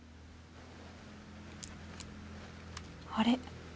あれ？